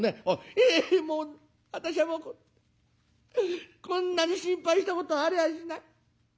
「えもう私はもうこんなに心配したことはありゃあしない。